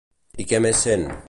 I què més sent?